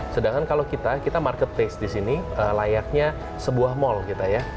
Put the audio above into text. sedangkan kalau kita kita marketplace di sini layaknya sebuah mall kita ya